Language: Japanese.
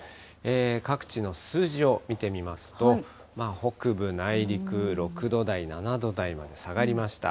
各地の数字を見てみますと、北部、内陸６度台、７度台まで下がりました。